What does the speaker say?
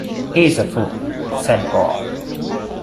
“He is a fool,” said Paul.